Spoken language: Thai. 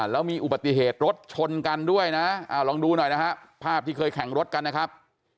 แล้วมีอุบัติเหตุรถชนกันด้วยนะลองดูหน่อยนะฮะภาพที่เคยแข่งรถกันนะครับ